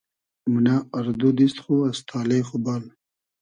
مونۂ آر دو دیست خو از تالې خو بال